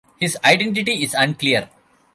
His identity is unclear.